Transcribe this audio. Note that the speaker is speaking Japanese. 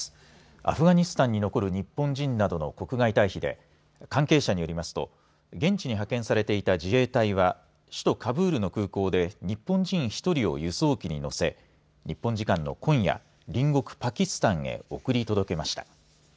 アフガニスタンに残る日本人などの国外退避で関係者によりますと現地に派遣されていた自衛隊は首都カブールの空港で日本人１人を輸送機に乗せ日本時間の今夜隣国パキスタンへ送り届けました。